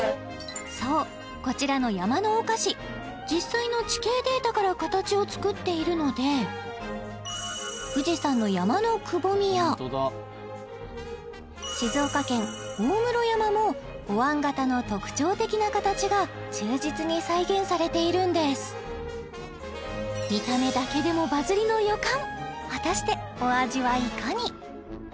そうこちらの山のお菓子実際の地形データから形を作っているので富士山の山のくぼみや静岡県大室山もおわん型の特徴的な形が忠実に再現されているんです果たしてお味はいかに？